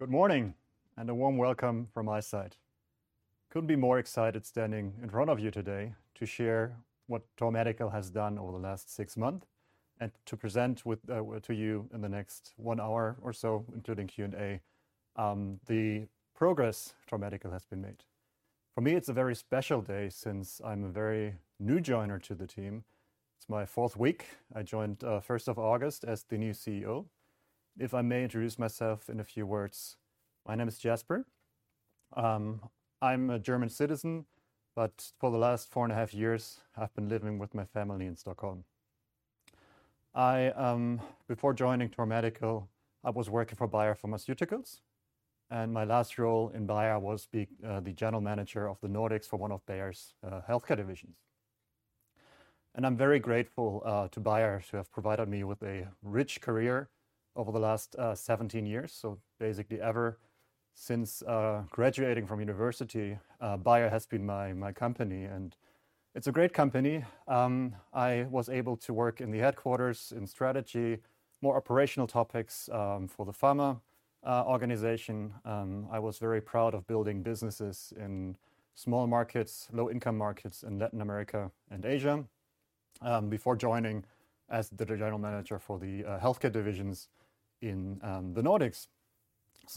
Good morning, and a warm welcome from my side. Couldn't be more excited standing in front of you today to share what Thor Medical has done over the last six months, and to present with to you in the next one hour or so, including Q&A, the progress Thor Medical has been made. For me, it's a very special day since I'm a very new joiner to the team. It's my fourth week. I joined first of August as the new CEO. If I may introduce myself in a few words, my name is Jasper. I'm a German citizen, but for the last four and a half years, I've been living with my family in Stockholm. I before joining Thor Medical, I was working for Bayer Pharmaceuticals, and my last role in Bayer was the general manager of the Nordics for one of Bayer's healthcare divisions. And I'm very grateful to Bayer, who have provided me with a rich career over the last 17 years. Basically, ever since graduating from university, Bayer has been my company, and it's a great company. I was able to work in the headquarters in strategy, more operational topics for the pharma organization. I was very proud of building businesses in small markets, low-income markets in Latin America and Asia before joining as the general manager for the healthcare divisions in the Nordics.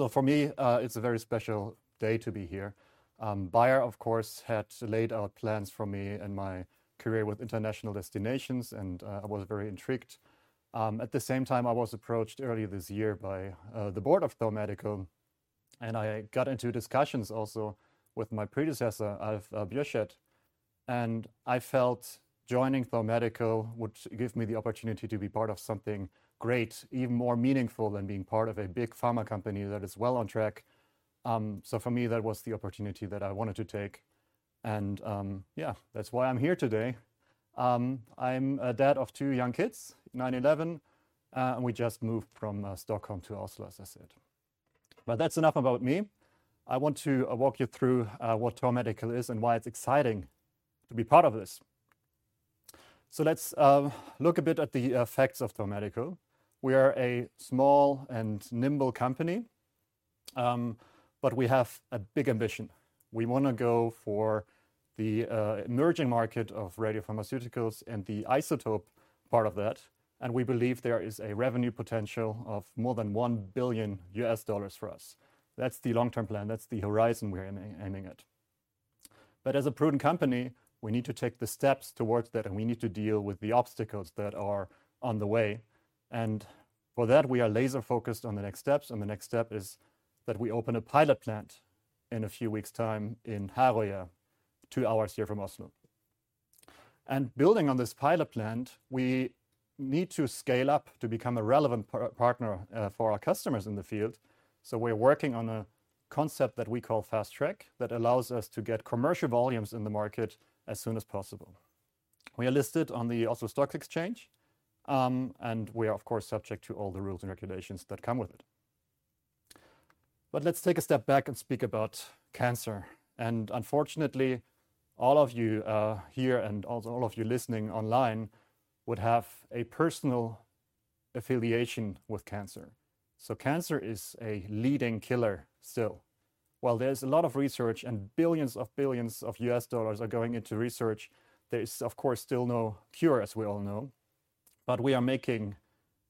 For me, it's a very special day to be here. Bayer, of course, had laid out plans for me and my career with international destinations, and I was very intrigued. At the same time, I was approached earlier this year by the board of Thor Medical, and I got into discussions also with my predecessor, Alf Bjørseth, and I felt joining Thor Medical would give me the opportunity to be part of something great, even more meaningful than being part of a big pharma company that is well on track, so for me, that was the opportunity that I wanted to take, and yeah, that's why I'm here today. I'm a dad of two young kids, nine and eleven, and we just moved from Stockholm to Oslo, as I said, but that's enough about me. I want to walk you through what Thor Medical is and why it's exciting to be part of this. So let's look a bit at the facts of Thor Medical. We are a small and nimble company, but we have a big ambition. We wanna go for the emerging market of radiopharmaceuticals and the isotope part of that, and we believe there is a revenue potential of more than $1 billion for us. That's the long-term plan, that's the horizon we're aiming at. But as a prudent company, we need to take the steps towards that, and we need to deal with the obstacles that are on the way, and for that, we are laser-focused on the next steps, and the next step is that we open a pilot plant in a few weeks' time in Herøya, two hours here from Oslo. And building on this pilot plant, we need to scale up to become a relevant partner for our customers in the field. So we're working on a concept that we call Fast Track, that allows us to get commercial volumes in the market as soon as possible. We are listed on the Oslo Stock Exchange, and we are, of course, subject to all the rules and regulations that come with it. But let's take a step back and speak about cancer, and unfortunately, all of you here, and also all of you listening online, would have a personal affiliation with cancer. So cancer is a leading killer still. While there's a lot of research and billions of billions of U.S. dollars are going into research, there is, of course, still no cure, as we all know. But we are making...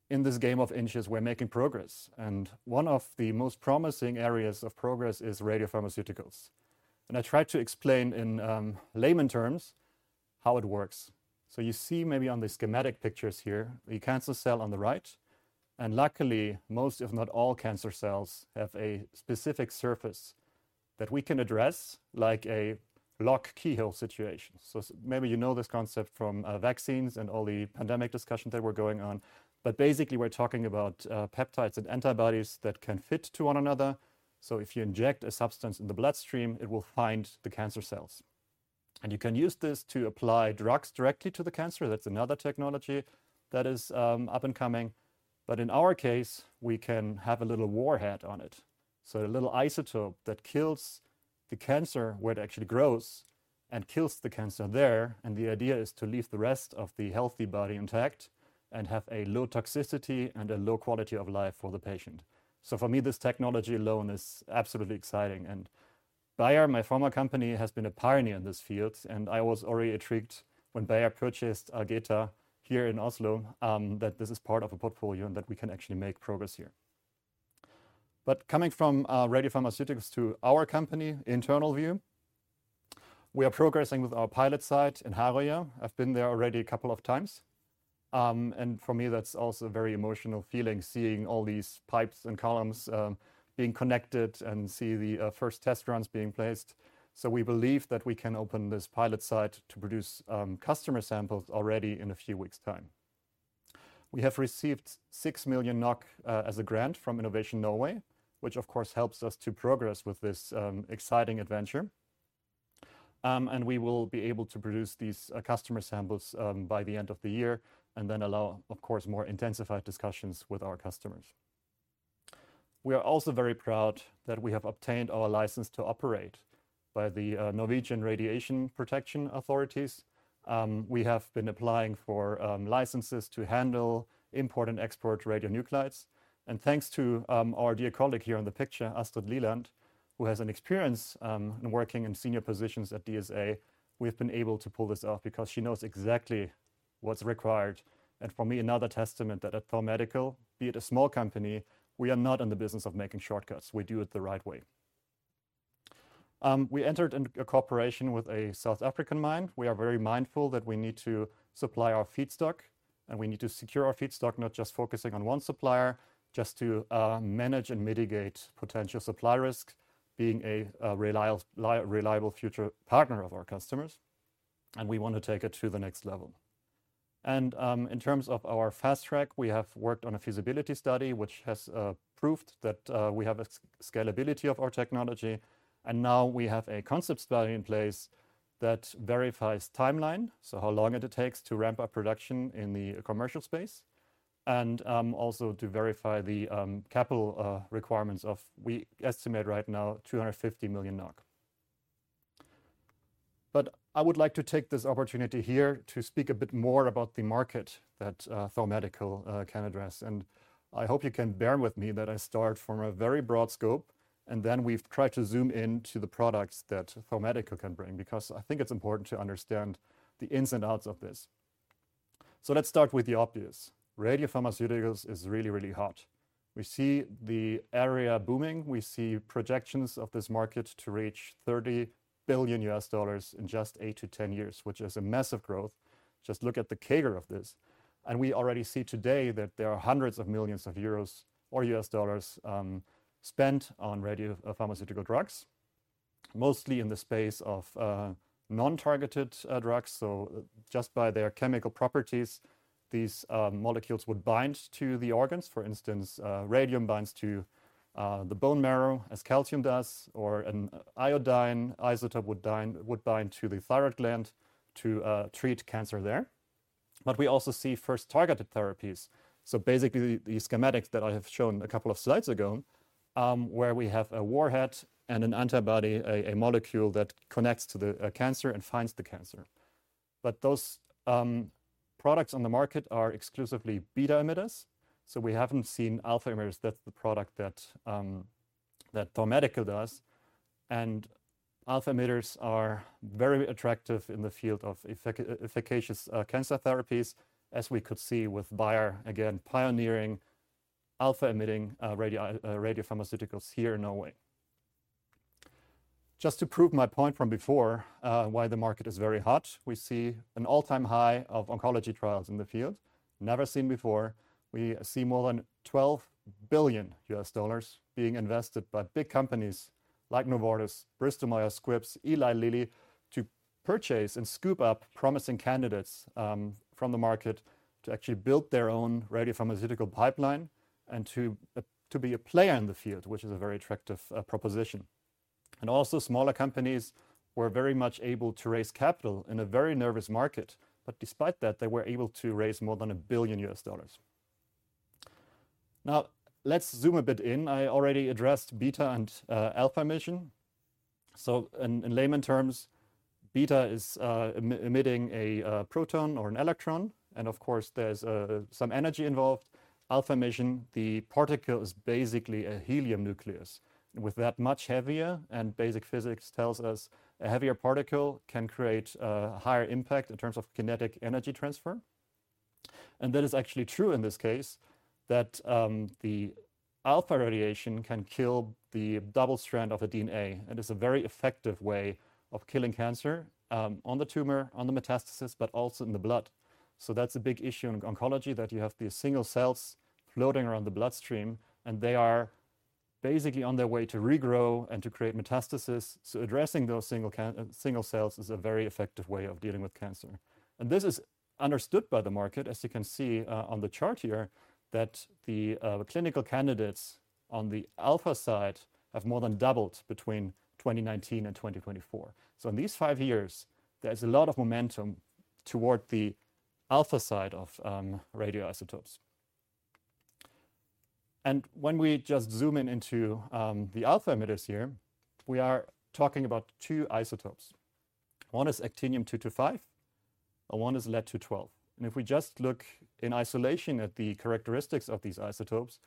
In this game of inches, we're making progress, and one of the most promising areas of progress is radiopharmaceuticals. And I try to explain in layman terms how it works. So you see maybe on the schematic pictures here, the cancer cell on the right, and luckily, most, if not all, cancer cells have a specific surface that we can address, like a lock-keyhole situation. So maybe you know this concept from vaccines and all the pandemic discussions that were going on, but basically, we're talking about peptides and antibodies that can fit to one another. So if you inject a substance in the bloodstream, it will find the cancer cells. And you can use this to apply drugs directly to the cancer. That's another technology that is up and coming. But in our case, we can have a little warhead on it, so a little isotope that kills the cancer where it actually grows and kills the cancer there, and the idea is to leave the rest of the healthy body intact, and have a low toxicity and a low quality of life for the patient. So for me, this technology alone is absolutely exciting, and Bayer, my former company, has been a pioneer in this field, and I was already intrigued when Bayer purchased Algeta here in Oslo, that this is part of a portfolio and that we can actually make progress here. But coming from, radiopharmaceuticals to our company, internal view, we are progressing with our pilot site in Herøya. I've been there already a couple of times. For me, that's also a very emotional feeling, seeing all these pipes and columns being connected and see the first test runs being placed. So we believe that we can open this pilot site to produce customer samples already in a few weeks' time. We have received 6 million NOK as a grant from Innovation Norway, which, of course, helps us to progress with this exciting adventure. And we will be able to produce these customer samples by the end of the year, and then allow, of course, more intensified discussions with our customers. We are also very proud that we have obtained our license to operate by the Norwegian Radiation Protection Authorities. We have been applying for licenses to handle import and export radionuclides. Thanks to our dear colleague here in the picture, Astrid Liland, who has an experience in working in senior positions at DSA, we have been able to pull this off because she knows exactly what's required. For me, another testament that at Thor Medical, be it a small company, we are not in the business of making shortcuts. We do it the right way. We entered into a cooperation with a South African mine. We are very mindful that we need to supply our feedstock, and we need to secure our feedstock, not just focusing on one supplier, just to manage and mitigate potential supply risks, being a reliable future partner of our customers, and we want to take it to the next level. In terms of our Fast Track, we have worked on a feasibility study, which has proved that we have scalability of our technology, and now we have a concept study in place that verifies timeline, so how long it takes to ramp up production in the commercial space, and also to verify the capital requirements. We estimate right now 250 million NOK. But I would like to take this opportunity here to speak a bit more about the market that Thor Medical can address, and I hope you can bear with me that I start from a very broad scope, and then we've tried to zoom into the products that Thor Medical can bring, because I think it's important to understand the ins and outs of this. Let's start with the obvious. Radiopharmaceuticals is really, really hot. We see the area booming. We see projections of this market to reach $30 billion in just eight to 10 years, which is a massive growth. Just look at the CAGR of this. And we already see today that there are hundreds of millions of EUR or USD spent on radiopharmaceutical drugs, mostly in the space of non-targeted drugs. So just by their chemical properties, these molecules would bind to the organs. For instance, radium binds to the bone marrow, as calcium does, or an iodine isotope would bind to the thyroid gland to treat cancer there. But we also see first targeted therapies. So basically, the schematic that I have shown a couple of slides ago, where we have a warhead and an antibody, a molecule that connects to the cancer and finds the cancer. But those products on the market are exclusively beta emitters, so we haven't seen alpha emitters. That's the product that Thor Medical does, and alpha emitters are very attractive in the field of efficacious cancer therapies, as we could see with Bayer, again, pioneering alpha-emitting radiopharmaceuticals here in Norway. Just to prove my point from before, why the market is very hot, we see an all-time high of oncology trials in the field, never seen before. We see more than $12 billion being invested by big companies like Novartis, Bristol-Myers Squibb, Eli Lilly, to purchase and scoop up promising candidates from the market to actually build their own radiopharmaceutical pipeline and to be a player in the field, which is a very attractive proposition. And also, smaller companies were very much able to raise capital in a very nervous market, but despite that, they were able to raise more than $1 billion. Now, let's zoom a bit in. I already addressed beta and alpha emission. So in layman terms, beta is emitting a proton or an electron, and of course, there's some energy involved. Alpha emission, the particle is basically a helium nucleus, and with that, much heavier, and basic physics tells us a heavier particle can create higher impact in terms of kinetic energy transfer. And that is actually true in this case, that the alpha radiation can kill the double strand of a DNA, and it's a very effective way of killing cancer on the tumor, on the metastasis, but also in the blood. So that's a big issue in oncology, that you have these single cells floating around the bloodstream, and they are basically on their way to regrow and to create metastasis. So addressing those single cells is a very effective way of dealing with cancer. And this is understood by the market, as you can see, on the chart here, that the clinical candidates on the alpha side have more than doubled between 2019 and 2024. So in these five years, there's a lot of momentum toward the alpha side of radioisotopes. And when we just zoom in into the alpha emitters here, we are talking about two isotopes. One is actinium-225, and one is lead-212. And if we just look in isolation at the characteristics of these isotopes,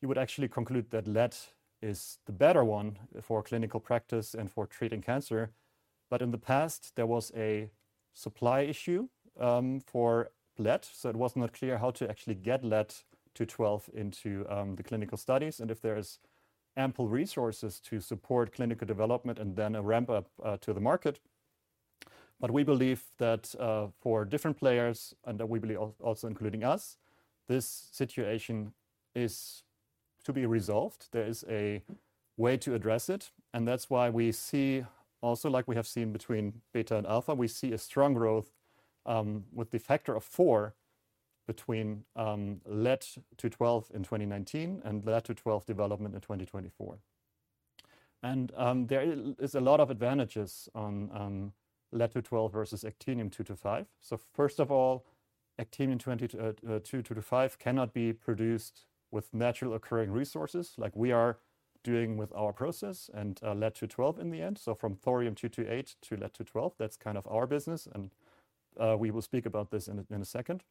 you would actually conclude that lead is the better one for clinical practice and for treating cancer. But in the past, there was a supply issue, for lead, so it was not clear how to actually get lead-212 into, the clinical studies and if there's ample resources to support clinical development and then a ramp-up, to the market. But we believe that, for different players, and we believe also including us, this situation is to be resolved. There is a way to address it, and that's why we see, also like we have seen between beta and alpha, we see a strong growth, with the factor of four between, lead-212 in 2019 and lead-212 development in 2024. And, there is a lot of advantages on, lead-212 versus actinium-225. So first of all-... Actinium-225 cannot be produced with naturally occurring resources like we are doing with our process and lead-212 in the end. So from thorium-228 to lead-212, that's kind of our business, and we will speak about this in a second.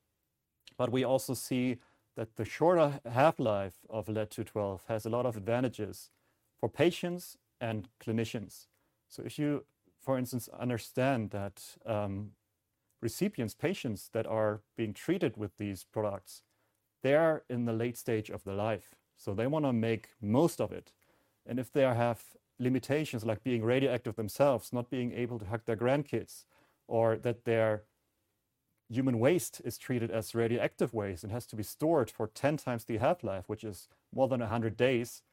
But we also see that the shorter half-life of lead-212 has a lot of advantages for patients and clinicians. So if you, for instance, understand that, recipients, patients that are being treated with these products, they are in the late stage of their life, so they wanna make most of it. If they have limitations like being radioactive themselves, not being able to hug their grandkids, or that their human waste is treated as radioactive waste and has to be stored for ten times the half-life, which is more than a hundred days,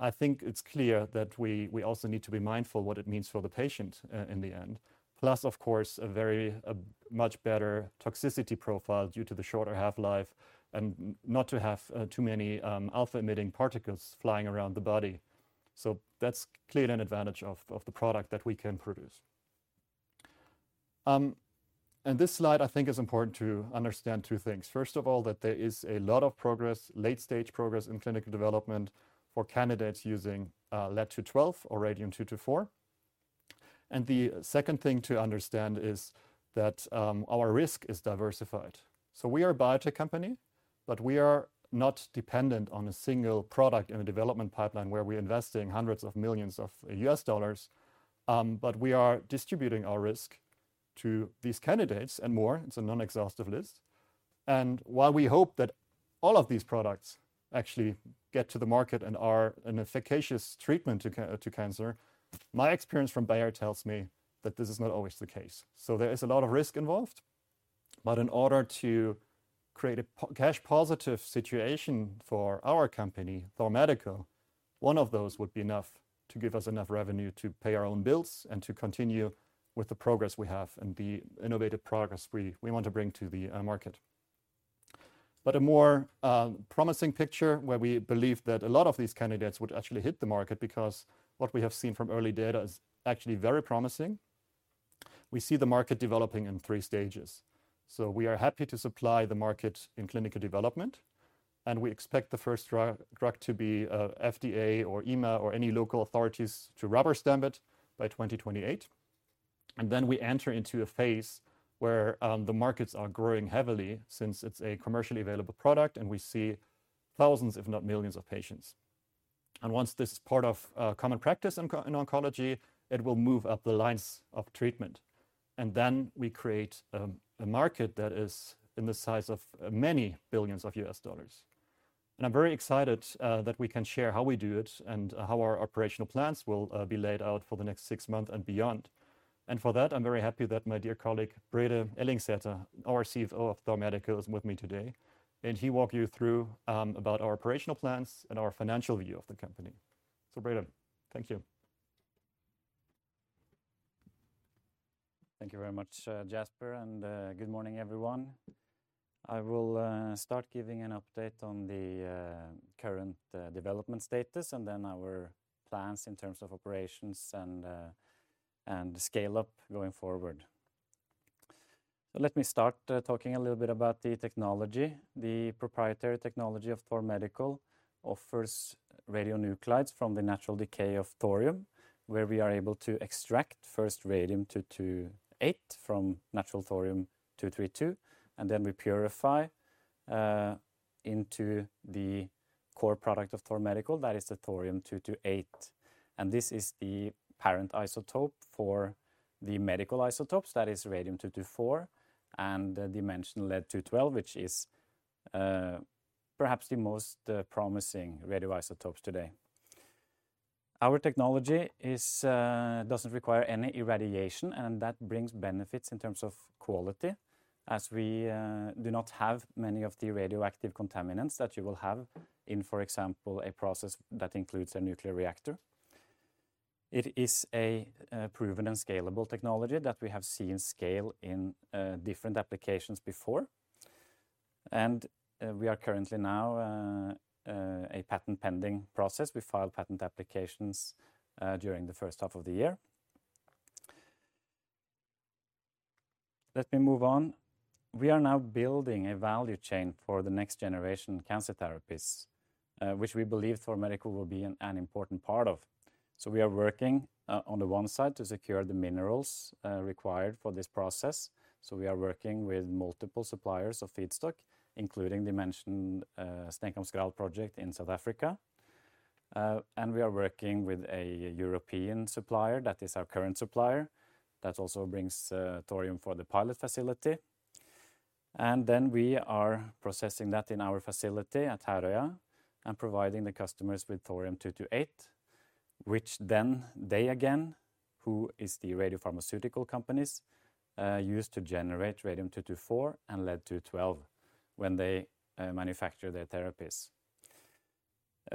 I think it's clear that we also need to be mindful what it means for the patient in the end. Plus, of course, a much better toxicity profile due to the shorter half-life and not to have too many alpha-emitting particles flying around the body. So that's clearly an advantage of the product that we can produce. This slide, I think, is important to understand two things. First of all, that there is a lot of progress, late-stage progress in clinical development for candidates using Lead-212 or Radium-224. And the second thing to understand is that, our risk is diversified. So we are a biotech company, but we are not dependent on a single product in a development pipeline where we're investing hundreds of millions of dollars, but we are distributing our risk to these candidates and more. It's a non-exhaustive list. And while we hope that all of these products actually get to the market and are an efficacious treatment to cancer, my experience from Bayer tells me that this is not always the case. So there is a lot of risk involved, but in order to create a cash positive situation for our company, Thor Medical, one of those would be enough to give us enough revenue to pay our own bills and to continue with the progress we have and the innovative progress we want to bring to the market. But a more promising picture where we believe that a lot of these candidates would actually hit the market because what we have seen from early data is actually very promising. We see the market developing in three stages. So we are happy to supply the market in clinical development, and we expect the first drug to be FDA or EMA or any local authorities to rubber-stamp it by 2028. And then we enter into a phase where the markets are growing heavily since it's a commercially available product, and we see thousands, if not millions, of patients, and once this is part of common practice in oncology, it will move up the lines of treatment, and then we create a market that is in the size of many billions of USD. I'm very excited that we can share how we do it and how our operational plans will be laid out for the next six months and beyond, and for that, I'm very happy that my dear colleague, Brede Ellingsæter, our CFO of Thor Medical, is with me today, and he'll walk you through about our operational plans and our financial view of the company, so Brede, thank you. Thank you very much, Jasper, and good morning, everyone. I will start giving an update on the current development status, and then our plans in terms of operations and scale-up going forward. So let me start talking a little bit about the technology. The proprietary technology of Thor Medical offers radionuclides from the natural decay of thorium, where we are able to extract first radium-228 from natural thorium-232, and then we purify into the core product of Thor Medical, that is the thorium-228. And this is the parent isotope for the medical isotopes, that is radium-224 and the mentioned lead-212, which is perhaps the most promising radioisotopes today. Our technology doesn't require any irradiation, and that brings benefits in terms of quality, as we do not have many of the radioactive contaminants that you will have in, for example, a process that includes a nuclear reactor. It is a proven and scalable technology that we have seen scale in different applications before. And we are currently now a patent pending process. We filed patent applications during the first half of the year. Let me move on. We are now building a value chain for the next-generation cancer therapies, which we believe Thor Medical will be an important part of. So we are working on the one side to secure the minerals required for this process. So we are working with multiple suppliers of feedstock, including the mentioned Steenkampskraal project in South Africa. And we are working with a European supplier, that is our current supplier, that also brings, thorium for the pilot facility. And then we are processing that in our facility at Herøya and providing the customers with Thorium-228, which then they again, who is the radiopharmaceutical companies, use to generate Radium-224 and Lead-212 when they, manufacture their therapies.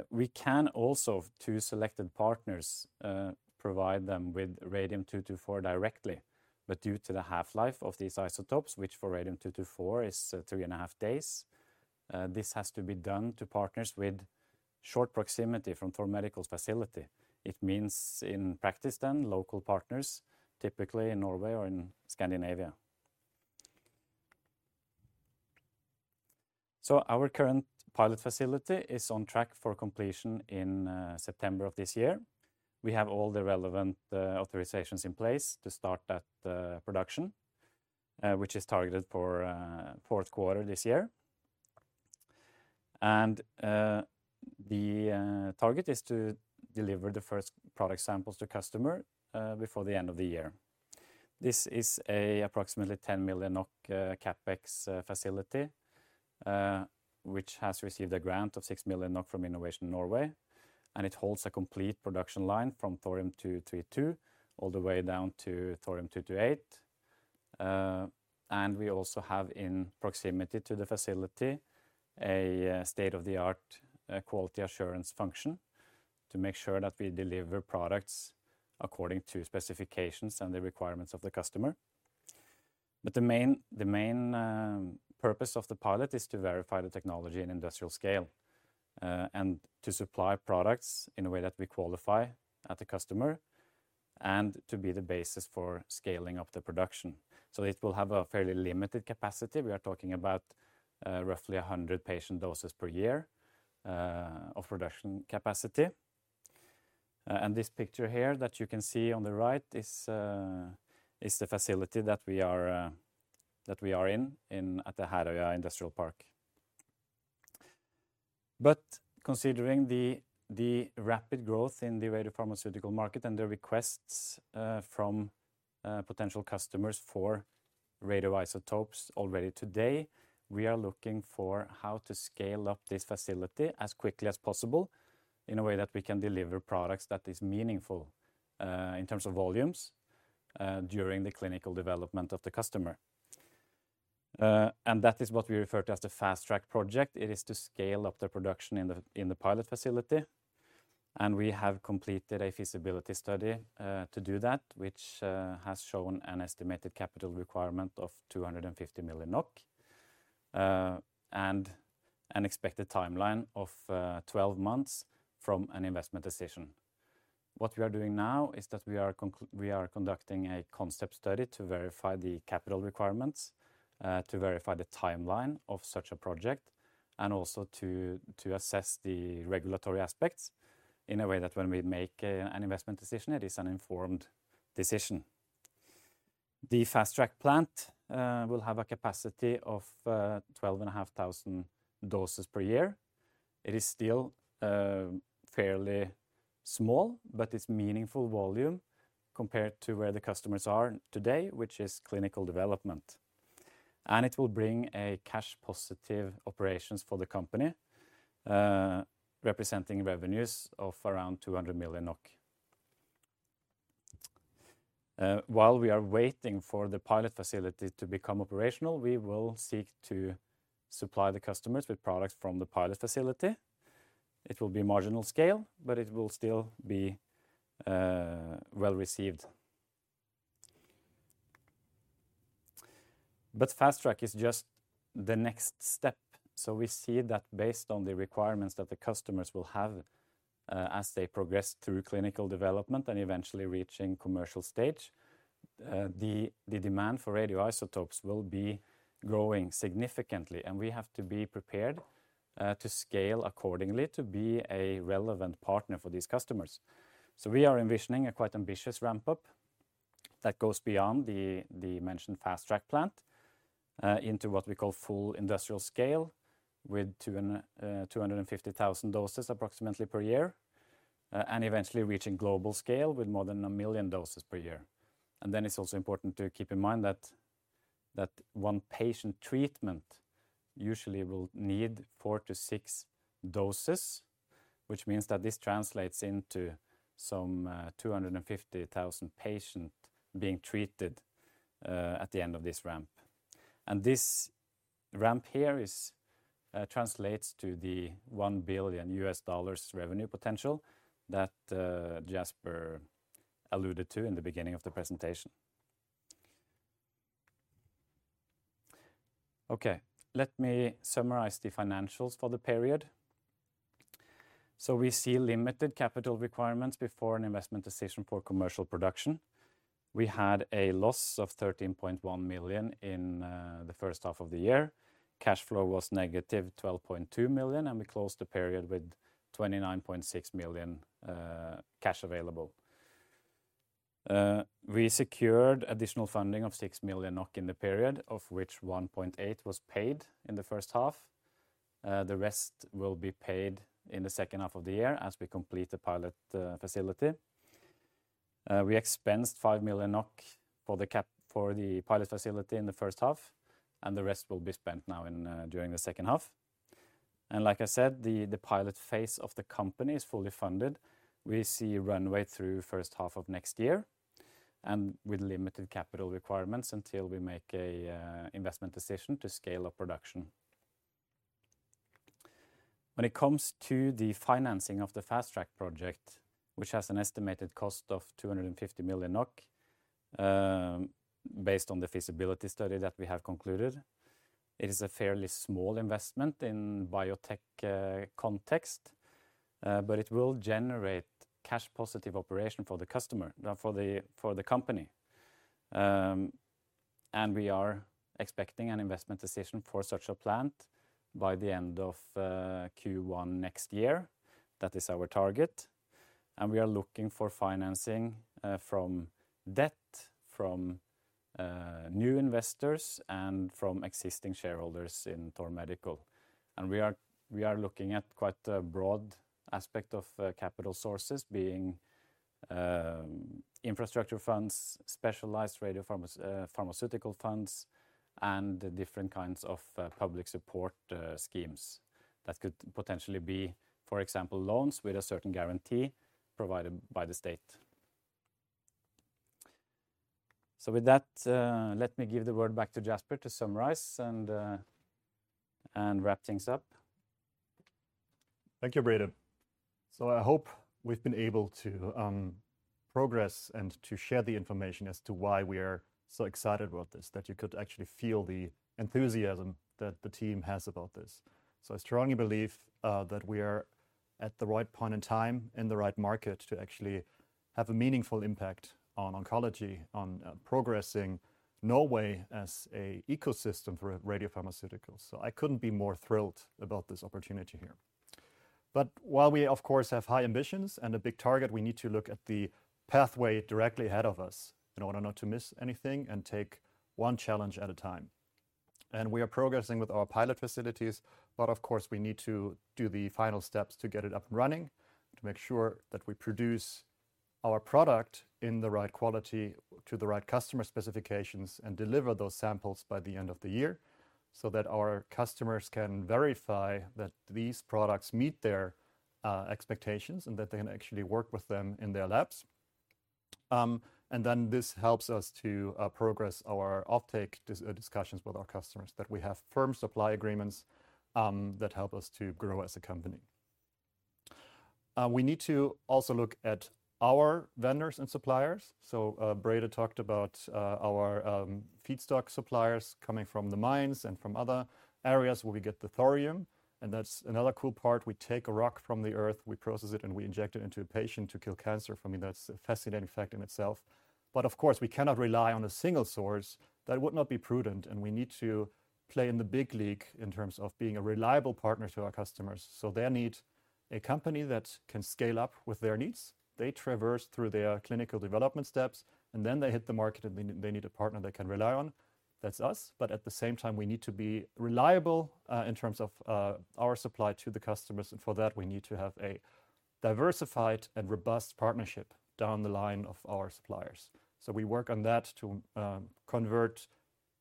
We can also, to selected partners, provide them with Radium-224 directly, but due to the half-life of these isotopes, which for Radium-224 is, three and a half days, this has to be done to partners with short proximity from Thor Medical's facility. It means in practice then, local partners, typically in Norway or in Scandinavia. So our current pilot facility is on track for completion in, September of this year. We have all the relevant authorizations in place to start that production, which is targeted for fourth quarter this year. The target is to deliver the first product samples to customer before the end of the year. This is approximately 10 million NOK CapEx facility, which has received a grant of 6 million NOK from Innovation Norway, and it holds a complete production line from thorium-232, all the way down to thorium-228. We also have in proximity to the facility a state-of-the-art quality assurance function to make sure that we deliver products according to specifications and the requirements of the customer. But the main purpose of the pilot is to verify the technology in industrial scale, and to supply products in a way that we qualify at the customer, and to be the basis for scaling up the production. So it will have a fairly limited capacity. We are talking about roughly 100 patient doses per year of production capacity. And this picture here that you can see on the right is the facility that we are in at the Herøya Industrial Park. But considering the rapid growth in the radiopharmaceutical market and the requests from potential customers for radioisotopes already today, we are looking for how to scale up this facility as quickly as possible in a way that we can deliver products that is meaningful in terms of volumes during the clinical development of the customer, and that is what we refer to as the Fast Track project. It is to scale up the production in the pilot facility, and we have completed a feasibility study to do that, which has shown an estimated capital requirement of 250 million NOK and an expected timeline of 12 months from an investment decision. What we are doing now is that we are conducting a concept study to verify the capital requirements, to verify the timeline of such a project, and also to assess the regulatory aspects in a way that when we make an investment decision, it is an informed decision. The Fast Track plant will have a capacity of 12,500 doses per year. It is still fairly small, but it's meaningful volume compared to where the customers are today, which is clinical development, and it will bring cash positive operations for the company, representing revenues of around 200 million NOK. While we are waiting for the pilot facility to become operational, we will seek to supply the customers with products from the pilot facility. It will be marginal scale, but it will still be well-received, but Fast Track is just the next step, so we see that based on the requirements that the customers will have as they progress through clinical development and eventually reaching commercial stage, the demand for radioisotopes will be growing significantly, and we have to be prepared to scale accordingly to be a relevant partner for these customers, so we are envisioning a quite ambitious ramp-up that goes beyond the mentioned Fast Track plant into what we call full industrial scale, with 250,000 doses approximately per year, and eventually reaching global scale with more than 1 million doses per year. Then it's also important to keep in mind that, that one patient treatment usually will need 4 to 6 doses, which means that this translates into some two hundred and fifty thousand patients being treated at the end of this ramp. This ramp here is translates to the $1 billion revenue potential that Jasper alluded to in the beginning of the presentation. Okay, let me summarize the financials for the period. We see limited capital requirements before an investment decision for commercial production. We had a loss of 13.1 million in the first half of the year. Cash flow was negative 12.2 million, and we closed the period with 29.6 million cash available. We secured additional funding of 6 million NOK in the period, of which 1.8 was paid in the first half. The rest will be paid in the second half of the year as we complete the pilot facility. We expensed 5 million NOK for the pilot facility in the first half, and the rest will be spent now during the second half. Like I said, the pilot phase of the company is fully funded. We see runway through first half of next year, and with limited capital requirements until we make an investment decision to scale up production. When it comes to the financing of the Fast Track project, which has an estimated cost of 250 million NOK, based on the feasibility study that we have concluded, it is a fairly small investment in biotech context, but it will generate cash positive operation for the customer, for the company. And we are expecting an investment decision for such a plant by the end of Q1 next year. That is our target, and we are looking for financing from debt, from new investors, and from existing shareholders in Thor Medical. We are looking at quite a broad aspect of capital sources, being infrastructure funds, specialized radiopharmaceutical funds, and different kinds of public support schemes that could potentially be, for example, loans with a certain guarantee provided by the state. So with that, let me give the word back to Jasper to summarize and wrap things up. Thank you, Brede. So I hope we've been able to progress and to share the information as to why we are so excited about this, that you could actually feel the enthusiasm that the team has about this. So I strongly believe that we are at the right point in time, in the right market to actually have a meaningful impact on oncology, on progressing Norway as a ecosystem for radiopharmaceuticals. So I couldn't be more thrilled about this opportunity here. But while we of course have high ambitions and a big target, we need to look at the pathway directly ahead of us in order not to miss anything and take one challenge at a time. And we are progressing with our pilot facilities, but of course we need to do the final steps to get it up and running, to make sure that we produce our product in the right quality to the right customer specifications and deliver those samples by the end of the year, so that our customers can verify that these products meet their expectations, and that they can actually work with them in their labs. And then this helps us to progress our offtake discussions with our customers, that we have firm supply agreements, that help us to grow as a company. We need to also look at our vendors and suppliers. So, Brede talked about our feedstock suppliers coming from the mines and from other areas where we get the thorium, and that's another cool part. We take a rock from the earth, we process it, and we inject it into a patient to kill cancer. For me, that's a fascinating fact in itself. But of course, we cannot rely on a single source. That would not be prudent, and we need to play in the big league in terms of being a reliable partner to our customers. So they need a company that can scale up with their needs. They traverse through their clinical development steps, and then they hit the market, and they need, they need a partner they can rely on. That's us. But at the same time, we need to be reliable in terms of our supply to the customers, and for that, we need to have a diversified and robust partnership down the line of our suppliers. So we work on that to convert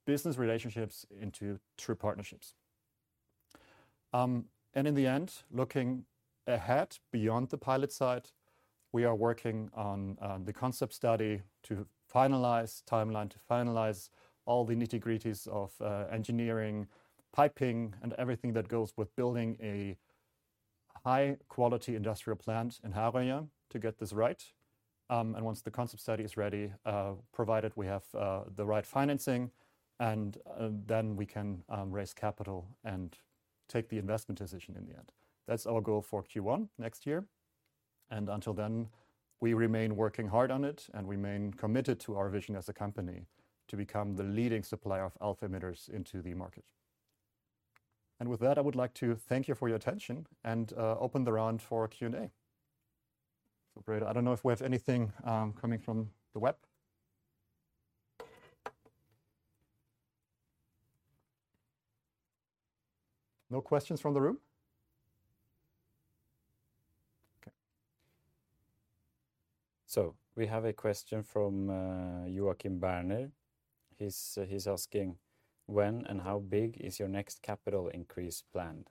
business relationships into true partnerships. And in the end, looking ahead beyond the pilot site, we are working on the concept study to finalize timeline, to finalize all the nitty-gritties of engineering, piping, and everything that goes with building a high-quality industrial plant in Herøya to get this right. And once the concept study is ready, provided we have the right financing, and then we can raise capital and take the investment decision in the end. That's our goal for Q1 next year, and until then, we remain working hard on it and remain committed to our vision as a company to become the leading supplier of alpha emitters into the market. And with that, I would like to thank you for your attention and open the round for Q&A. So Brede, I don't know if we have anything coming from the web. No questions from the room? Okay. We have a question from Joachim Berner. He's asking: "When and how big is your next capital increase planned?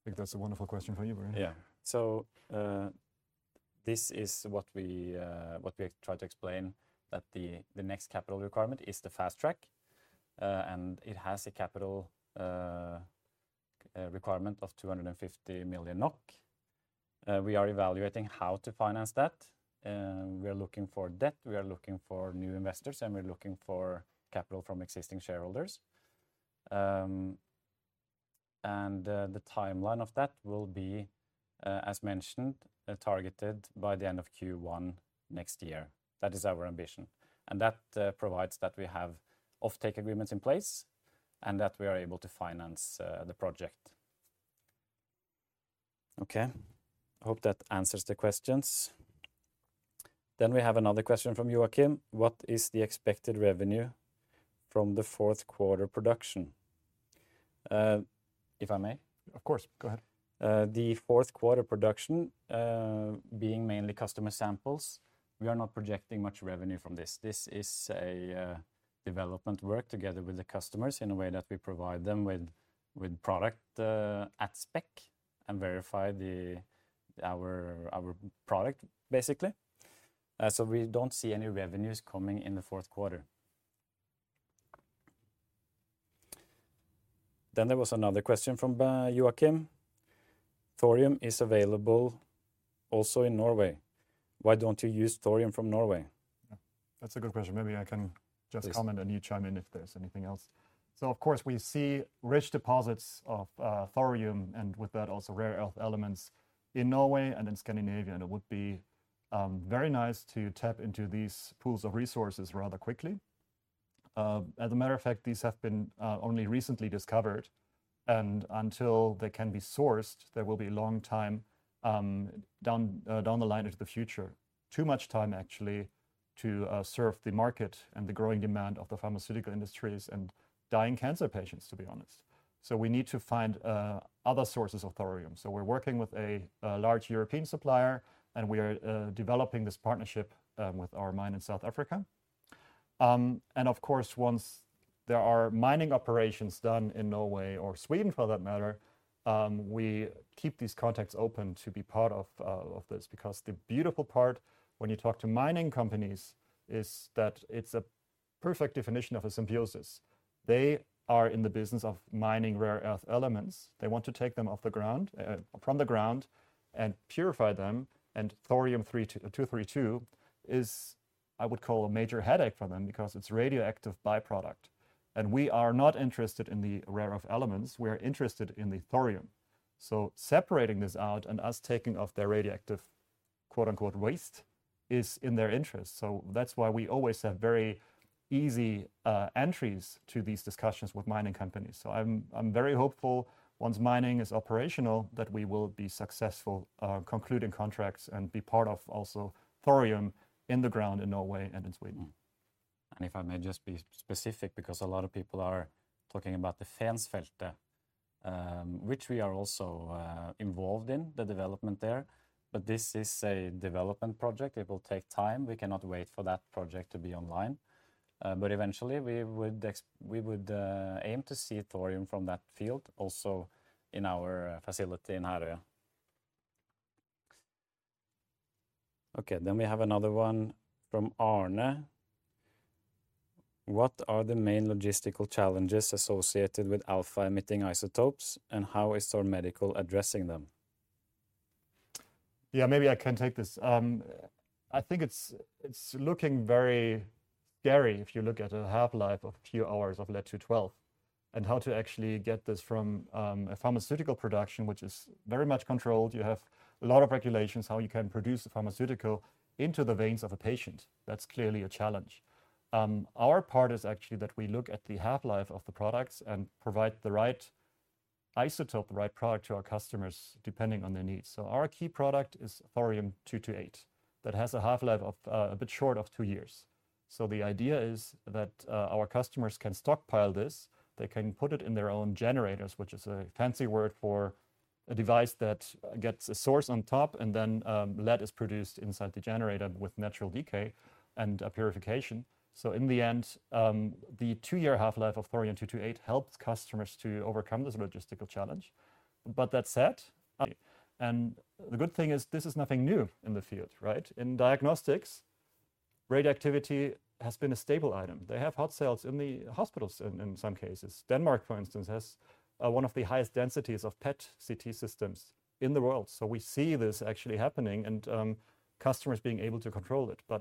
I think that's a wonderful question for you, Brede. Yeah. So, this is what we tried to explain, that the next capital requirement is the Fast Track, and it has a capital requirement of 250 million NOK. We are evaluating how to finance that, and we are looking for debt, we are looking for new investors, and we're looking for capital from existing shareholders, and the timeline of that will be, as mentioned, targeted by the end of Q1 next year. That is our ambition, and that provides that we have offtake agreements in place and that we are able to finance the project. Okay, I hope that answers the questions. Then we have another question from Joachim: "What is the expected revenue from the fourth quarter production?" If I may? Of course. Go ahead. The fourth quarter production, being mainly customer samples, we are not projecting much revenue from this. This is a development work together with the customers in a way that we provide them with product at spec and verify our product, basically. So we don't see any revenues coming in the fourth quarter. There was another question from Joachim: "Thorium is available also in Norway. Why don't you use thorium from Norway? Yeah, that's a good question. Maybe I can- Please... just comment, and you chime in if there's anything else. So of course, we see rich deposits of thorium, and with that, also rare earth elements in Norway and in Scandinavia, and it would be very nice to tap into these pools of resources rather quickly. As a matter of fact, these have been only recently discovered, and until they can be sourced, there will be a long time down the line into the future. Too much time, actually, to serve the market and the growing demand of the pharmaceutical industries and dying cancer patients, to be honest. So we need to find other sources of thorium. So we're working with a large European supplier, and we are developing this partnership with our mine in South Africa. And of course, once there are mining operations done in Norway, or Sweden for that matter, we keep these contacts open to be part of this. Because the beautiful part when you talk to mining companies is that it's a perfect definition of a symbiosis. They are in the business of mining rare earth elements. They want to take them off the ground, from the ground and purify them, and thorium-232 is, I would call, a major headache for them because it's a radioactive by-product. And we are not interested in the rare earth elements, we are interested in the thorium. So separating this out and us taking off their radioactive, quote-unquote, "waste," is in their interest. So that's why we always have very easy entries to these discussions with mining companies. I'm very hopeful, once mining is operational, that we will be successful concluding contracts and be part of also thorium in the ground in Norway and in Sweden. If I may just be specific, because a lot of people are talking about the Fensfeltet, which we are also involved in the development there. This is a development project. It will take time. We cannot wait for that project to be online, but eventually we would aim to see thorium from that field also in our facility in Herøya. Okay, we have another one from Arne: "What are the main logistical challenges associated with alpha-emitting isotopes, and how is Thor Medical addressing them? Yeah, maybe I can take this. I think it's looking very scary if you look at a half-life of a few hours of Lead-212, and how to actually get this from a pharmaceutical production, which is very much controlled. You have a lot of regulations how you can produce a pharmaceutical into the veins of a patient. That's clearly a challenge. Our part is actually that we look at the half-life of the products and provide the right isotope, the right product to our customers, depending on their needs. Our key product is Thorium-228. That has a half-life of a bit short of two years. So the idea is that, our customers can stockpile this, they can put it in their own generators, which is a fancy word for a device that gets a source on top, and then, lead is produced inside the generator with natural decay and, purification. So in the end, the two-year half-life of Thorium-228 helps customers to overcome this logistical challenge. But that said, and the good thing is, this is nothing new in the field, right? In diagnostics, radioactivity has been a stable item. They have hot cells in the hospitals in some cases. Denmark, for instance, has one of the highest densities of PET CT systems in the world. So we see this actually happening and, customers being able to control it. But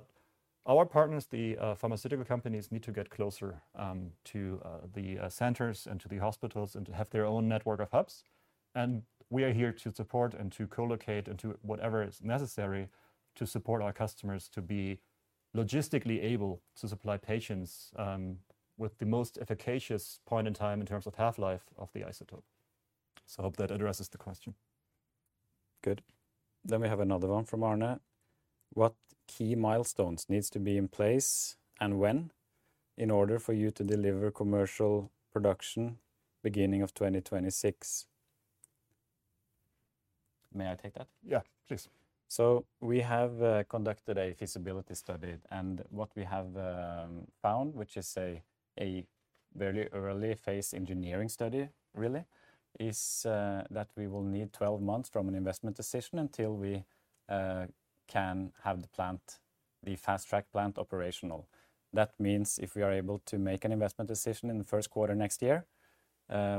our partners, the pharmaceutical companies, need to get closer to the centers and to the hospitals, and to have their own network of hubs. And we are here to support and to co-locate and to whatever is necessary, to support our customers to be logistically able to supply patients with the most efficacious point in time in terms of half-life of the isotope. So I hope that addresses the question. Good. Then we have another one from Arne: "What key milestones needs to be in place and when, in order for you to deliver commercial production beginning of 2026?" May I take that? Yeah, please. So we have conducted a feasibility study, and what we have found, which is a very early phase engineering study, really, is that we will need 12 months from an investment decision until we can have the plant, the Fast Track plant, operational. That means if we are able to make an investment decision in the first quarter next year,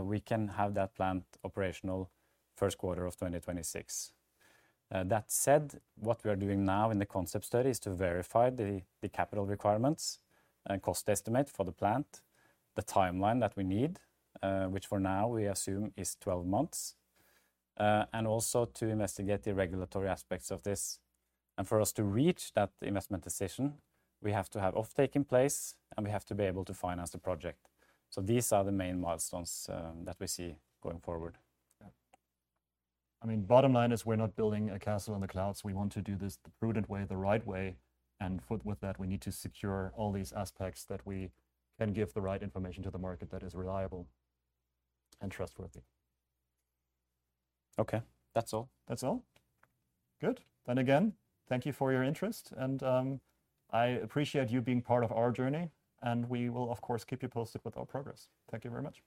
we can have that plant operational first quarter of 2026. That said, what we are doing now in the concept study is to verify the capital requirements and cost estimate for the plant, the timeline that we need, which for now we assume is 12 months, and also to investigate the regulatory aspects of this. And for us to reach that investment decision, we have to have offtake in place, and we have to be able to finance the project. So these are the main milestones that we see going forward. Yeah. I mean, bottom line is we're not building a castle in the clouds. We want to do this the prudent way, the right way, and with that, we need to secure all these aspects that we can give the right information to the market that is reliable and trustworthy. Okay. That's all. That's all? Good. Then again, thank you for your interest and, I appreciate you being part of our journey, and we will, of course, keep you posted with our progress. Thank you very much.